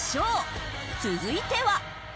続いては。